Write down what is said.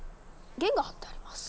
弦が張ってあります。